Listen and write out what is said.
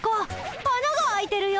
あなが開いてるよ。